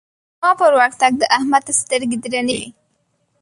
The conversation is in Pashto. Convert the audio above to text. زما پر ورتګ د احمد سترګې درنې شوې.